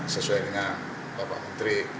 sesuai dengan bapak menteri